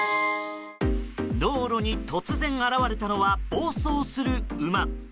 道路に突然現れたのは暴走する馬。